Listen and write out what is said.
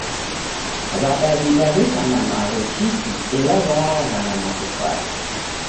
W'adaw'ida w'eka na magho chiki ela w'aagha na matofali